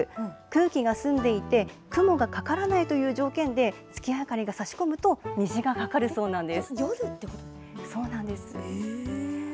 これはですね、条件がありまして、満月の夜、空気が澄んでいて、雲がかからないという条件で、月明かりがさし込むと、虹が架かるそうなんです。